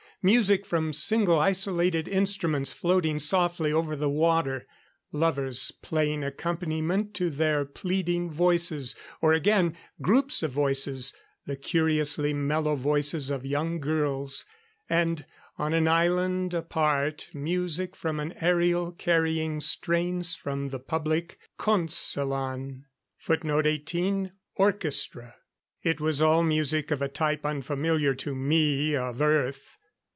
Music from single isolated instruments floating softly over the water lovers playing accompaniment to their pleading voices; or again, groups of voices the curiously mellow voices of young girls and, on an island apart, music from an aerial carrying strains from the public concelan. [Footnote 18: Orchestra.] It was all music of a type unfamiliar to me of Earth.